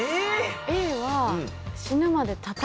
Ａは。